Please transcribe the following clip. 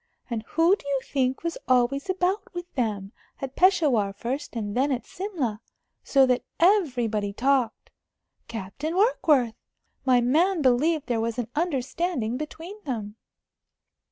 And who do you think was always about with them at Peshawar first, and then at Simla so that everybody talked? Captain Warkworth! My man believed there was an understanding between them."